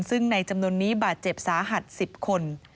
ซึ่งในจำนวนนี้บาดเจ็บสาหัส๑๐คน